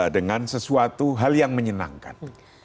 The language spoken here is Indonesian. dengan sesuatu hal yang menyenangkan